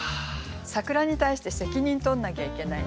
「桜」に対して責任とんなきゃいけないんですよ。